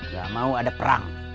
gak mau ada perang